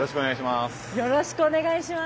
よろしくお願いします。